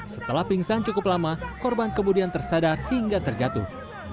setelah pingsan cukup lama korban kemudian tersadar hingga terjatuh